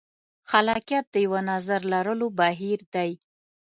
خلاقیت د یوه نظر لرلو بهیر دی.